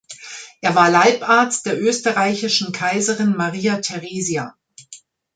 Er war Leibarzt der österreichischen Kaiserin Maria Theresia.